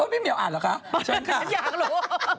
พี่เหี่ยวอ่านเหรอคะเชิญค่ะฉันอยากรู้